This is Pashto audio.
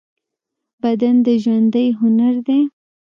بدن د ژوندۍ هنر دی.